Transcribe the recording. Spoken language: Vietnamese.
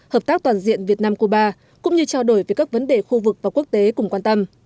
hợp tác toàn diện việt nam cuba cũng như trao đổi về các vấn đề khu vực và quốc tế cùng quan tâm